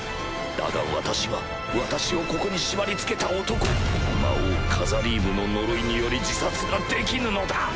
だが私は私をここに縛りつけた男魔王カザリームの呪いにより自殺ができぬのだ！